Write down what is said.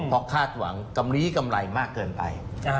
เพราะคาดหวังกำลีกำไรมากเกินไป